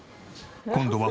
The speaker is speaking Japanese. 今度は